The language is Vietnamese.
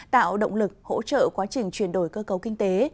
tạo động lực hỗ trợ quá trình chuyển đổi cơ cấu kinh tế